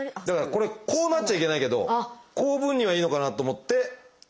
だからこれこうなっちゃいけないけどこういう分にはいいのかなと思って。